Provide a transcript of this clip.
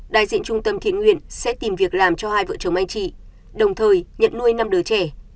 đại diện trung tâm thiện nguyện sẽ tìm việc làm cho hai vợ chồng anh chị đồng thời nhận nuôi năm đứa trẻ